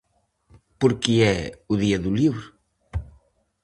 Por que é o día do libro?